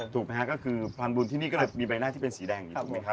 ถูกไหมฮะก็คือภรรณบุญที่นี่ก็จะมีใบหน้าที่เป็นสีแดง